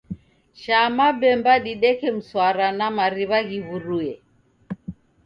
Shaa mapemba dideke mswara na mariw'a ghiw'urue.